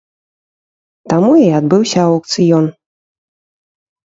Таму і адбыўся аўкцыён.